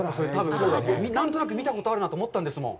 何となく見たことあるなと思ったんですもん。